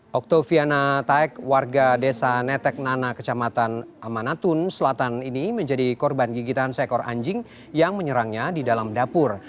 oktoviana taek warga desa netek nana kecamatan amanatun selatan ini menjadi korban gigitan seekor anjing yang menyerangnya di dalam dapur